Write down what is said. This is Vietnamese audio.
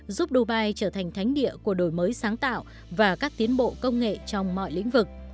giúp dubai trở thành thánh địa của đổi mới sáng tạo và các tiến bộ công nghệ trong mọi lĩnh vực